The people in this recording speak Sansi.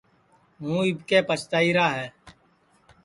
ہُوں اِٻکے پستائیرا ہے